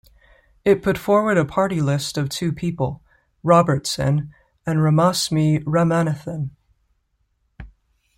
It put forward a party list of two people: Robertson and Ramasmy Ramanathan.